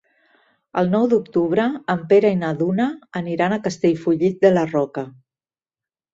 El nou d'octubre en Pere i na Duna aniran a Castellfollit de la Roca.